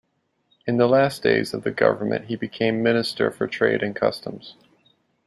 In the last days of the government he became Minister for Trade and Customs.